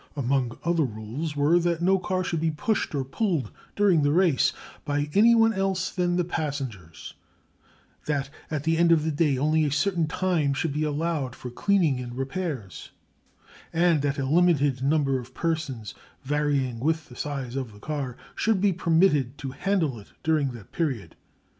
Among other rules were: that no car should be pushed or pulled during the race by any one else than the passengers; that at the end of the day only a certain time should be allowed for cleaning and repairs; and that a limited number of persons, varying with the size of the car, should be permitted to handle it during that period.